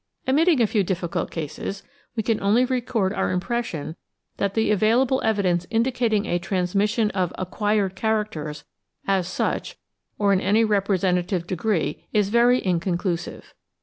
Admitting a few difficult cases, we can only record our impression that the available evidence indicating a transmission of ''acquired characters" as such or in any repre sentative degree is very inconclusive.